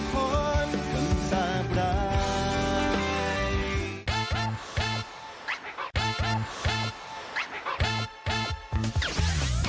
โปรดติดตามตอนต่อไป